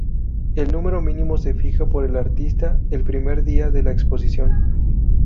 El número mínimo se fija por el artista el primer día de la exposición.